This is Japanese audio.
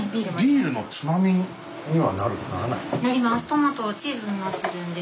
トマトチーズになってるんで。